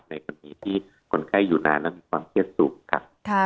ในความผิดที่คนไข้อยู่นานและความเครียดสูงครับ